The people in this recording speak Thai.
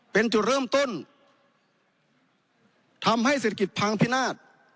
เป็นจุดเริ่มต้นทำให้เศรษฐกิจพังพินาศ